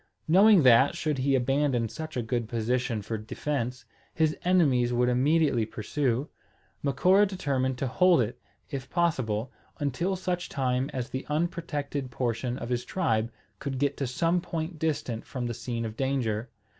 Knowing that, should he abandon such a good position for defence, his enemies would immediately pursue, Macora determined to hold it, if possible, until such time as the unprotected portion of his tribe could get to some point distant from the scene of danger.